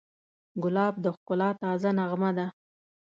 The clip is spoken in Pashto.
ګلاب د ښکلا تازه نغمه ده.